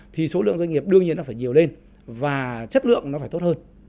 thì số lượng doanh nghiệp đương nhiên nó phải nhiều lên và chất lượng nó phải tốt hơn